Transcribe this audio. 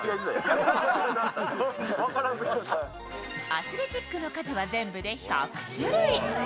アスレチックの数は、全部で１００種類。